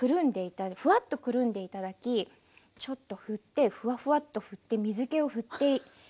ふわっとくるんで頂きちょっと振ってふわふわっと振って水けを振って取っていきます。